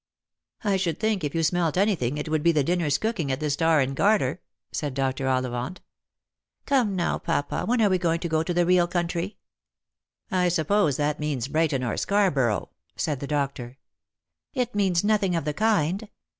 "I should think, if you smelt anything, it would be the dinners cooking at the Star and Garter," said Dr. Ollivant. " Come now, papa, when are we to go to the real country ?"" I suppose that means Brighton or Scarborough," said the doctor. " It means nothing of the kind.